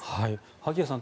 萩谷さん